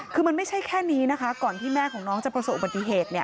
คือมันไม่ใช่แค่นี้นะคะก่อนที่แม่ของน้องจะประสบอุบัติเหตุเนี่ย